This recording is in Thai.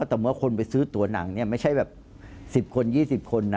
แต่เมื่อคนไปซื้อตัวหนังไม่ใช่๑๐คน๒๐คน